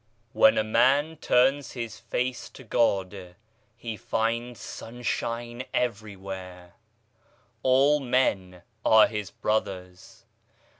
EN a man turns his face to God he finds sun shine everywhere. All men are his brothers.